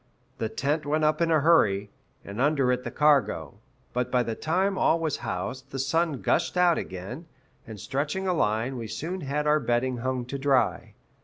The tent went up in a hurry, and under it the cargo; but by the time all was housed the sun gushed out again, and, stretching a line, we soon had our bedding hung to dry.